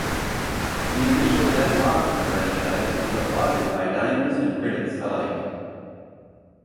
The initial Red Lobster franchise was applauded by diners and critics alike.